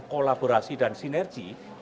kolaborasi dan sinergi